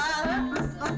nah ini sudah hilang